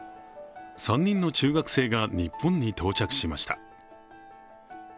３人の中学生が日本に到着しました。